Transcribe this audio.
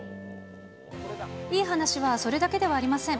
いい話はそれだけではありません。